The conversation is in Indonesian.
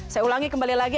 saya ulangi kembali lagi